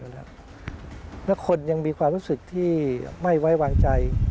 แล้วคนยังมีความรู้สึกที่ไม่ไว้วางใจ